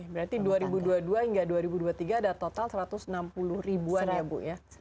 berarti dua ribu dua puluh dua hingga dua ribu dua puluh tiga ada total satu ratus enam puluh ribuan ya bu ya